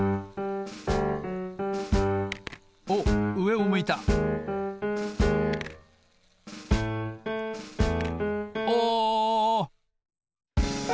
おっうえを向いたお！